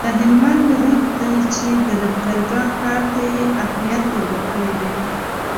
د هلمند رود دی چي د لښکرګاه ښار ته یې اهمیت وربخښلی دی